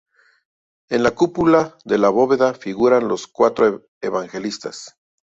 En la cúpula de la bóveda figuran los cuatro evangelistas.